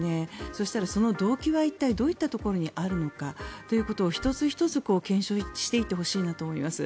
そうしたら、その動機は一体どういったところにあるのかというところを１つ１つ検証していってほしいなと思います。